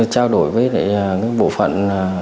trao đổi với cái bộ phận